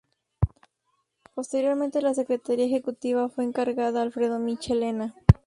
Posteriormente la Secretaría Ejecutiva fue encargada a Alfredo Michelena.